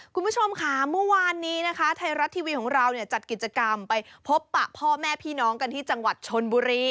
คุณผู้ชมค่ะเมื่อวานนี้นะคะไทยรัฐทีวีของเราเนี่ยจัดกิจกรรมไปพบปะพ่อแม่พี่น้องกันที่จังหวัดชนบุรี